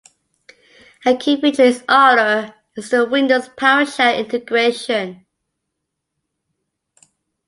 A key feature is Otter is the Windows PowerShell integration.